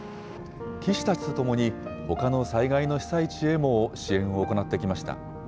棋士たちと共に、ほかの災害の被災地へも支援を行ってきました。